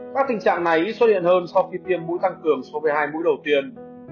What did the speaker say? các tình trạng này xuất hiện hơn sau khi tiêm mũi tăng cường so với hai mũi đầu tiên